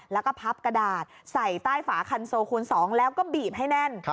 แล้วก็พับกระดาษใส่ใต้ฝาคันโซคูณ๒แล้วก็บีบให้แน่น